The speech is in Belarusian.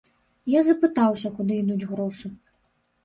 Я запытаўся, куды ідуць грошы.